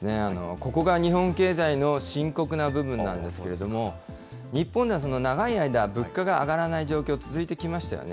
ここが日本経済の深刻な部分なんですけれども、日本では長い間、物価が上がらない状況、続いてきましたよね。